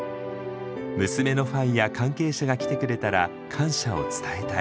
「娘のファンや関係者が来てくれたら感謝を伝えたい」。